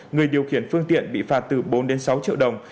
người điều khiển phương tiện bị phạt từ bốn sáu triệu đồng